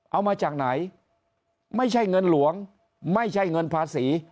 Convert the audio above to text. เอามาจากไหนไม่ใช่เงินหลวงไม่ใช่เงินภาษี